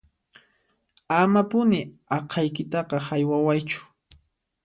Amapuni aqhaykitaqa haywawaychu